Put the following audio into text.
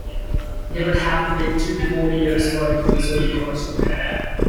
They would have to wait two more years for it to be sold commercially.